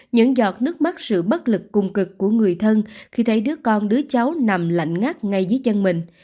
những giọt nước mắt sự bất lực cùng cực của người thân khi thấy đứa con đứa cháu nằm lạnh ngát ngay dưới chân mình